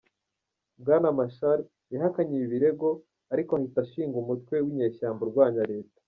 Bwana Machar yahakanye ibi birego, ariko ahita ashinga umutwe w'inyeshyamba urwanya leta.